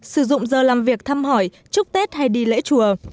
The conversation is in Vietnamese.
sử dụng giờ làm việc thăm hỏi chúc tết hay đi lễ chùa